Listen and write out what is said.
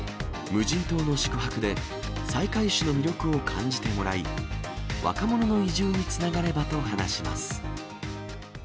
無人島の宿泊で、西海市の魅力を感じてもらい、若者の移住につながればと話します。